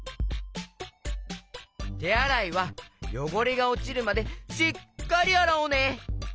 てあらいはよごれがおちるまでしっかりあらおうね！